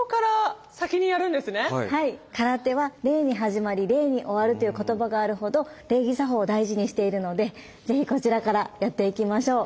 「空手は礼に始まり礼に終わる」という言葉があるほど礼儀作法を大事にしているので是非こちらからやっていきましょう。